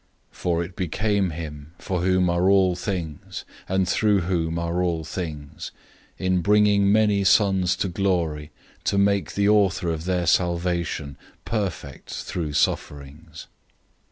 002:010 For it became him, for whom are all things, and through whom are all things, in bringing many children to glory, to make the author of their salvation perfect through sufferings.